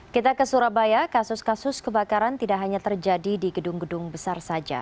kita ke surabaya kasus kasus kebakaran tidak hanya terjadi di gedung gedung besar saja